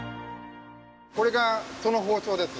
これがその包丁です。